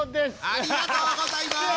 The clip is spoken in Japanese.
ありがとうございます！